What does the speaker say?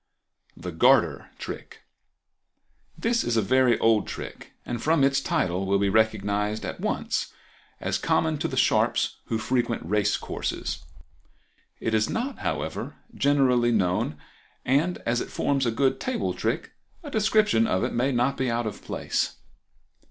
The Garter Trick.—This is a very old trick, and from its title will be recognized at once as common to the sharps who frequent race courses. It is not, however, generally known, and as it forms a good table trick a description of it may not be out of place.